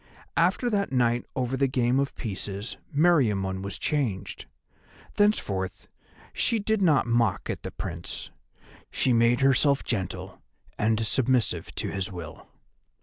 After that night over the game of pieces Meriamun was changed. Thenceforth she did not mock at the Prince, she made herself gentle and submissive to his will.